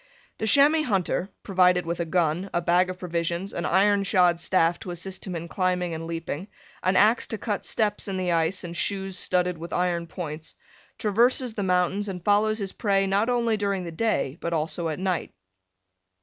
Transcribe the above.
The chamois hunter, provided with a gun, a bag of provisions, an iron shod staff to assist him in climbing and leaping, an ax to cut steps in the ice and shoes studded with iron points, traverses the mountains and follows his prey not only during the day, but also at night.